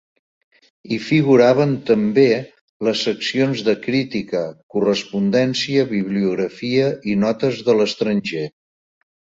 Hi figuraven també les seccions de crítica, correspondència, bibliografia i notes de l'estranger.